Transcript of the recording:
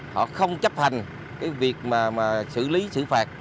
họ không chấp hành cái việc mà xử lý xử phạt